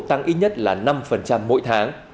tăng ít nhất là năm mỗi tháng